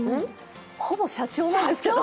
ほぼ社長なんですけど。